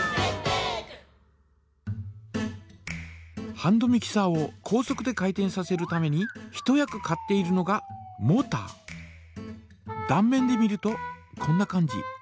ハンドミキサーを高速で回転させるために一役買っているのがだん面で見るとこんな感じ。